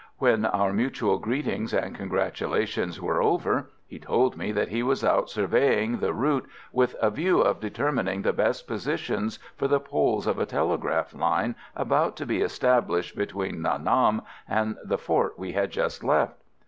When our mutual greetings and congratulations were over, he told me that he was out surveying the route with a view to determining the best positions for the poles of a telegraph line about to be established between Nha Nam and the fort we had just left.